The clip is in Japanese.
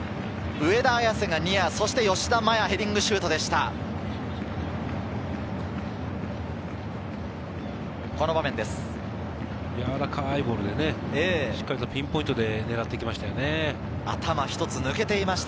上田綺世がニア、そして吉田麻也、ヘディングシュートでした。